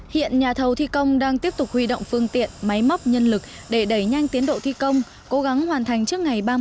hiện nhà thầu thi công đang tiếp tục huy động phương tiện máy móc nhân lực để đẩy nhanh tiến độ thi công cố gắng hoàn thành trước ngày ba mươi